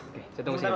oke saya tunggu siap